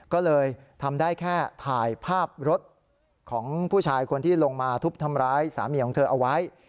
ก็เลยทำได้แค่ถ่ายภาพรถของผู้ชายคนที่ลงมาทุบทำร้ายสามีของเธอเอาไว้